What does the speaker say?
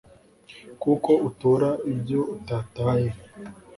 kuko utora ibyo utataye